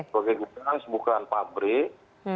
sebagai gudang bukan pabrik